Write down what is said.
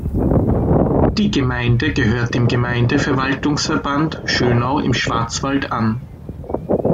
Die Gemeinde gehört dem Gemeindeverwaltungsverband Schönau im Schwarzwald an.